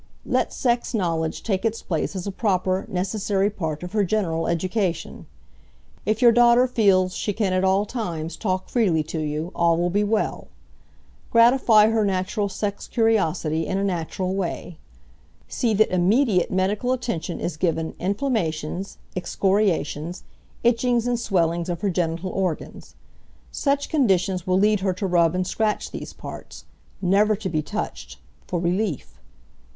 Let sex knowledge take its place as a proper, necessary part of her general education. If your daughter feels she can at all times talk freely to you all will be well. Gratify her natural sex curiosity in a natural way. See that immediate medical attention is given inflammations, excoriations, itchings and swellings of her genital organs. Such conditions will lead her to rub and scratch these parts never to be touched for relief.